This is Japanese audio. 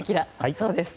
そうです。